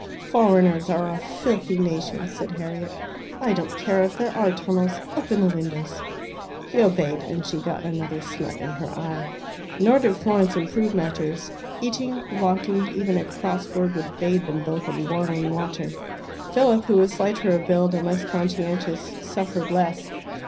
"Foreigners are a filthy nation," said Harriet. "I don't care if there are tunnels; open the windows." He obeyed, and she got another smut in her eye. Nor did Florence improve matters. Eating, walking, even a cross word would bathe them both in boiling water. Philip, who was slighter of build, and less conscientious, suffered less.